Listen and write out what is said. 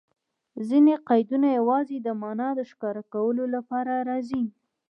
ځیني قیدونه یوازي د مانا د ښکاره کولو له پاره راځي.